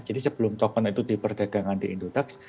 jadi sebelum token itu diperdagangkan di indodax